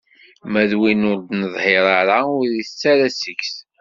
Ma d win ur neḍhir ara, ur itett ara seg-s.